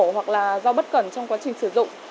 hoặc là do bất cẩn trong quá trình sử dụng